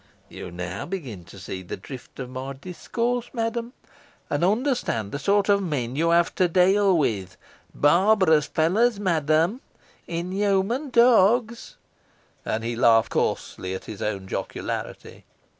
You now begin to see the drift of my discourse, madam, and understand the sort of men you have to deal with barbarous fellows, madam inhuman dogs!" And he laughed coarsely at his own jocularity.